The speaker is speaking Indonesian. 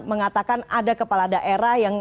mengatakan ada kepala daerah yang